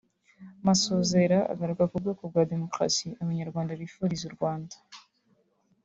Masozera agaruka ku bwoko bwa demokarasi abanyamahanga bifuriza u Rwanda